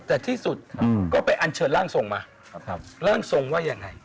แต่ที่สุดก็ไปอันเชิญร่างทรงมาร่างทรงว่ายังไง